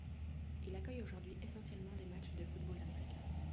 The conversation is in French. Il accueille aujourd'hui essentiellement des matchs de football américain.